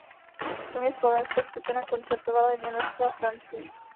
Kromě Slovenska skupina koncertovala i v Německu a Francii.